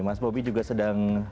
mas bobby juga sedang